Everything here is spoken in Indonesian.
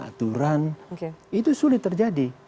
aturan itu sulit terjadi